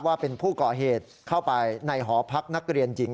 ว่าเป็นผู้ก่อเหตุเข้าไปในหอพักนักเรียนหญิง